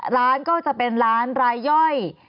ร้านก็จะเป็นร้านรายย่อย